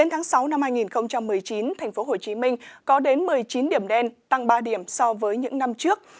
hôm một mươi chín tp hcm có đến một mươi chín điểm đen tăng ba điểm so với những năm trước